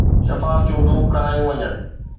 شفاف چونڊون ڪرايون وڃن